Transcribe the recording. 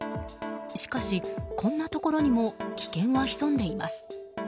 しかし、こんなところにも危険は潜んでいます。